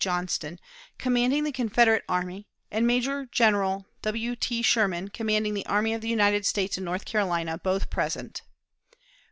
Johnston, commanding the Confederate army, and Major General W. T. Sherman, commanding the army of the United States in North Carolina, both present: "1.